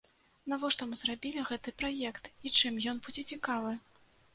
Навошта мы зрабілі гэты праект і чым ён будзе цікавы?